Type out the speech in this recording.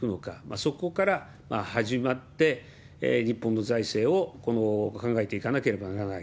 そこから始まって、日本の財政を今後考えていかなければならない。